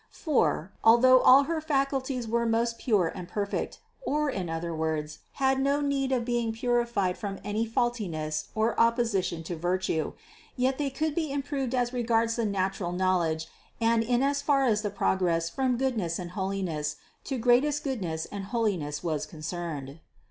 For, although all her faculties were most pure and perfect, or in other words, had no need of being purified from any faultiness or opposition to virtue, yet they could be improved as regards the natural knowledge and in as far as the progress from goodness and holiness to greatest goodness and holiness was concerned.